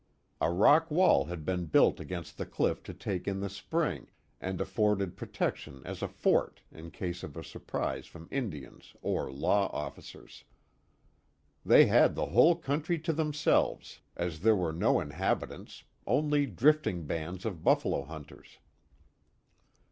A rock wall had been built against the cliff to take in the spring, and afforded protection as a fort in case of a surprise from Indians or law officers. They had the whole country to themselves, as there were no inhabitants only drifting bands of buffalo hunters.